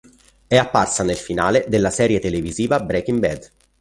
È apparsa nel finale della serie televisiva "Breaking Bad".